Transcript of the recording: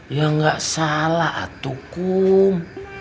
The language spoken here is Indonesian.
ya gak salah atukum